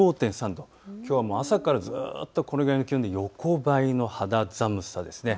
きょうは朝からずっとこれくらいの気温で横ばいの肌寒さです。